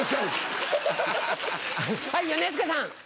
はい米助さん。